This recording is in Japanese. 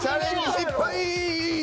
失敗。